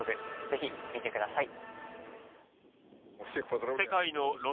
ぜひ、見てください。